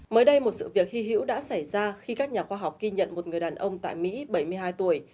mới đây một sự việc hy hữu đã xảy ra khi các nhà khoa học ghi nhận một người đàn ông tại mỹ bảy mươi hai tuổi